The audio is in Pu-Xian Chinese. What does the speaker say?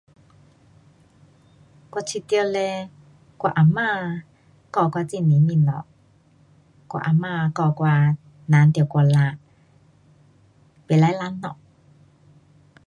我觉得嘞，我啊妈教我很多东西。我啊妈教我人得努力，不可懒惰。